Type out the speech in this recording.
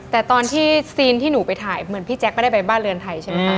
แต่ตอนที่ซีนที่หนูไปถ่ายเหมือนพี่แจ๊คไม่ได้ไปบ้านเรือนไทยใช่ไหมคะ